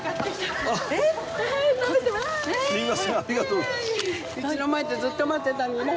うちの前でずっと待ってたのに。